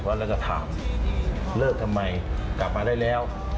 แล้วเราก็ถามเลิกทำไมกลับมาได้แล้ว